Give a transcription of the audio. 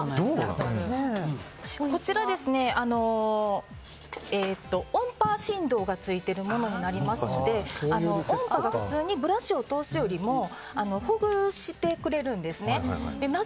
こちら、音波振動がついているものになりますので音波が普通にブラシを通すよりもほぐしてくれるんですね。